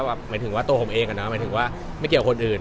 หมายถึงว่าตัวผมเองไม่เกี่ยวกับคนอื่น